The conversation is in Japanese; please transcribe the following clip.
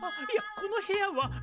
いやこの部屋は。